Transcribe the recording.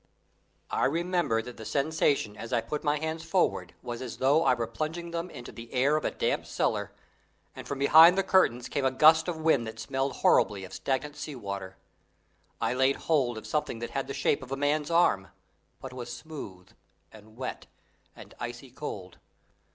I remember that the sensation as I put my hands forward was as though I were plunging them into the air of a damp cellar, and from behind the curtains came a gust of wind that smelled horribly of stagnant sea water. I laid hold of something that had the shape of a man's arm, but was smooth, and wet, and icy cold.